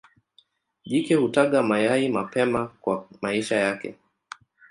Jike hutaga mayai mapema kwa maisha yake.